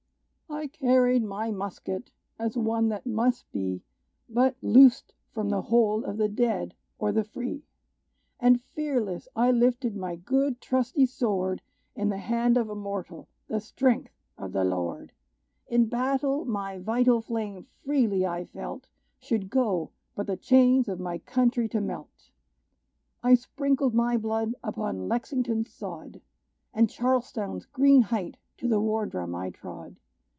"I carried my musket, as one that must be But loosed from the hold of the dead, or the free! And fearless I lifted my good, trusty sword, In the hand of a mortal, the strength of the Lord! In battle, my vital flame freely I felt Should go, but the chains of my country to melt! "I sprinkled my blood upon Lexington's sod, And Charlestown's green height to the war drum I trod.